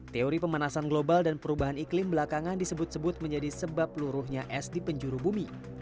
teori pemanasan global dan perubahan iklim belakangan disebut sebut menjadi sebab peluruhnya es di penjuru bumi